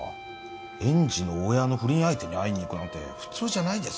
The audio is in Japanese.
園児の親の不倫相手に会いに行くなんて普通じゃないです。